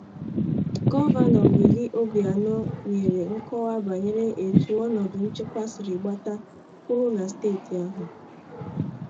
Gọvanọ Willie Obianọ nyere nkọwa banyere etu ọnọdụ nchekwa siri gbata kwụrụ na steeti ahụ